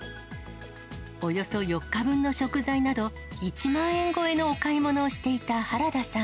およそ４日分の食材など、１万円超えのお買い物をしていた原田さん。